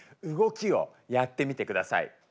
動きをやってみてください。